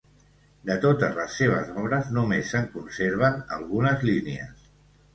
De totes les seves obres només se'n conserven algunes línies.